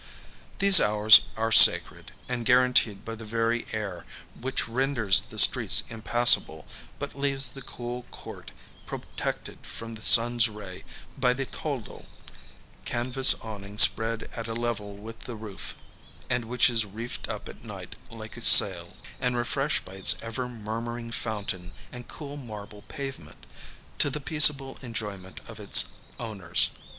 These hours are sacred, and guaranteed by the very air, which renders the streets impassable, but leaves the cool court protected from the sun's ray by the toldo, (canvas awning spread at a level with the roof, and which is reefed up at night like a sail,) and refreshed by its ever murmuring fountain and cool marble pavement, to the peaceable enjoyment of its owners.